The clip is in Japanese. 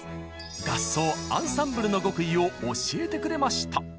合奏アンサンブルの極意を教えてくれました！